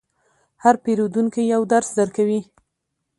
هر پیرودونکی یو درس درکوي.